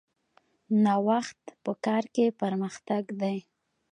نوښت په کار کې پرمختګ دی